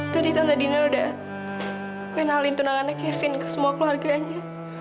tadi tante dino udah kenalin tunangannya kevin ke semua keluarganya